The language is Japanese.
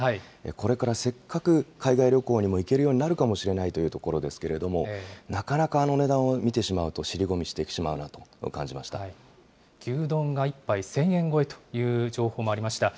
これからせっかく海外旅行にも行けるようになるかもしれないというところですけれども、なかなか、あの値段を見てしまうと、しり込牛丼が１杯１０００円超えという情報もありました。